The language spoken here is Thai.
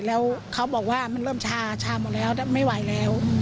แล้วเขาบอกว่ามันเริ่มชาชาหมดแล้วไม่ไหวแล้ว